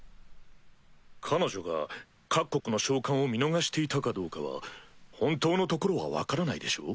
彼女が各国の召喚を見逃していたかどうかは本当のところは分からないでしょう？